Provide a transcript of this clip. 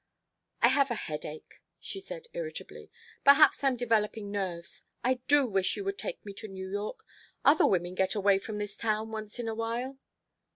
"I have a headache," she said irritably. "Perhaps I'm developing nerves. I do wish you would take me to New York. Other women get away from this town once in a while."